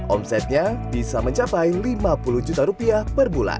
omsetnya bisa mencapai lima puluh juta rupiah per bulan